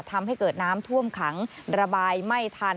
ทำให้เกิดน้ำท่วมขังระบายไม่ทัน